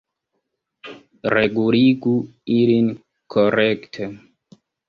Reguligu ilin korekte!